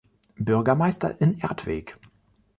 Bürgermeister in Erdweg.